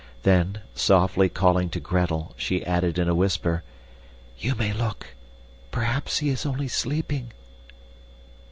Then, softly calling to Gretel, she added in a whisper, "You may look perhaps he is only sleeping."